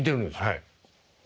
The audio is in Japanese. はい。